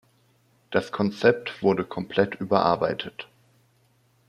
Das Konzept wurde komplett überarbeitet.